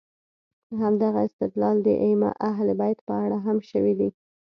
همدغه استدلال د ائمه اهل بیت په اړه هم شوی دی.